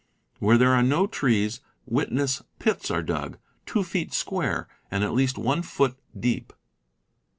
Where there are no trees, witness pits are dug, two feet square, and at least one foot deep.